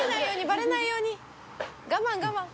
バレないように我慢我慢。